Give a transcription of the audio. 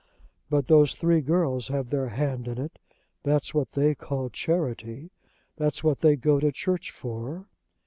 "But those three girls have their hand in it. That's what they call charity! That's what they go to church for!"